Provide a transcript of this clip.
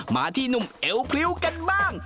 มาที่หนุ่มเอวพริ้วกันบ้าง